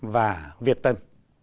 và việt tân